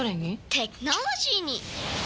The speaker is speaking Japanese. テクノロジーに！